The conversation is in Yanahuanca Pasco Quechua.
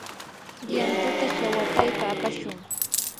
yantata shawataypa apashun.